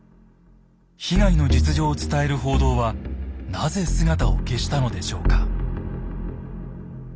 被害の実情を伝える報道はなぜ姿を消したのでしょうか。